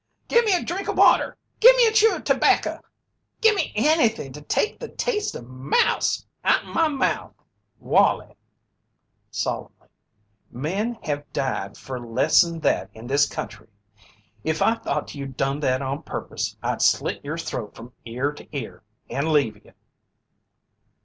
"Gimme a drink of water! Gimme a chew of tobacco! Gimme anything to take the taste of mouse out'n my mouth. Wallie," solemnly, "men have died fer less'n that in this country. If I thought you'd done that on purpose I'd slit your throat from ear to ear and leave you."